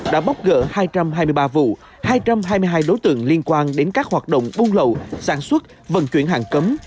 đã bóc gỡ hai trăm hai mươi ba vụ hai trăm hai mươi hai đối tượng liên quan đến các hoạt động buôn lậu sản xuất vận chuyển hàng cấm